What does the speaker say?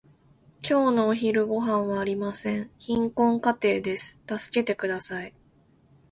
今日のお昼ごはんはありません。貧困家庭です。助けてください。